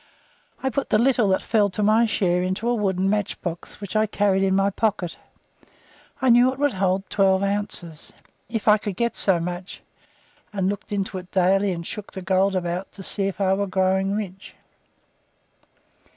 I put the little that fell to my share into a wooden match box, which I carried in my pocket. I knew it would hold twelve ounces if I could get so much and looked into it daily and shook the gold about to see if I were growing rich.